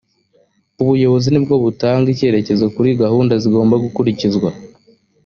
ubuyobozi nibwo butanga icyerekezo kuri gahunda zigomba gukurikizwa